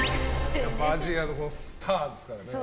アジアのスターですからね。